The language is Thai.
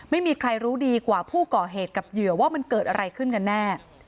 ไม่มีใครรู้ดีกว่าผู้ก่อเหตุกับเหยื่อว่ามันเกิดอะไรขึ้นกันแน่